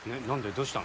どうしたの？